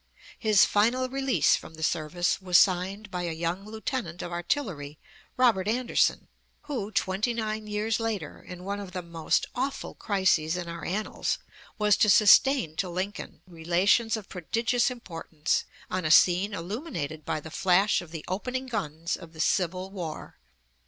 His final release from the service was signed by a young lieutenant of artillery, Robert Anderson, who, twenty nine years later, in one of the most awful crises in our annals, was to sustain to Lincoln relations of prodigious importance, on a scene illuminated by the flash of the opening guns of the civil war.